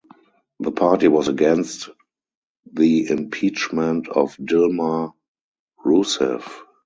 The party was against the Impeachment of Dilma Rousseff.